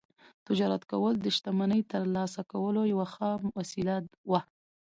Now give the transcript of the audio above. تجارت کول د شتمنۍ ترلاسه کولو یوه ښه وسیله وه